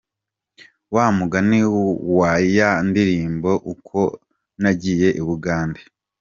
Wa mugani wa ya ndirimbo ’Uko nagiye i Bugande’ ….